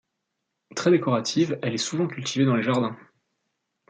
Très décorative, elle est souvent cultivée dans les jardins.